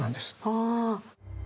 ああ。